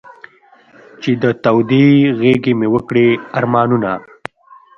چې د تودې غېږې مې و کړې ارمانونه.